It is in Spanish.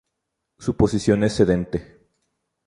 Su posición es sedente.